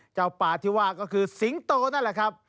เจ้าป่าที่ว่าก็คือสิงโตนั่นแหละครับ